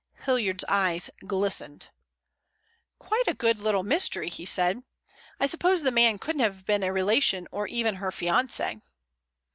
Hilliard's eyes glistened. "Quite a good little mystery," he said. "I suppose the man couldn't have been a relation, or even her fiancee?"